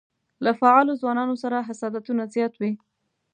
له فعالو ځوانانو سره حسادتونه زیات وي.